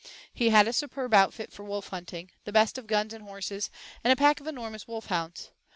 He had a superb outfit for wolf hunting the best of guns and horses, and a pack of enormous wolf hounds.